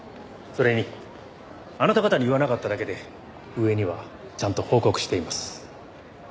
それにあなた方に言わなかっただけで上にはちゃんと報告しています。